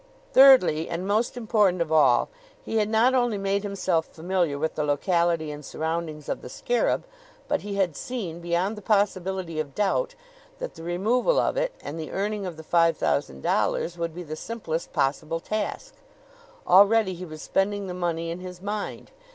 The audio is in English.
Thirdly, and most important of all, he had not only made himself familiar with the locality and surroundings of the scarab, but he had seen, beyond the possibility of doubt, that the removal of it and the earning of the five thousand dollars would be the simplest possible task. Already he was spending the money in his mind.